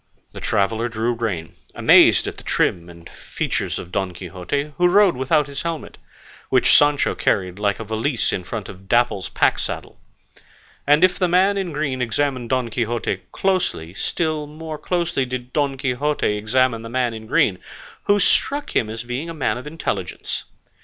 The traveller drew rein, amazed at the trim and features of Don Quixote, who rode without his helmet, which Sancho carried like a valise in front of Dapple's pack saddle; and if the man in green examined Don Quixote closely, still more closely did Don Quixote examine the man in green, who struck him as being a man of intelligence.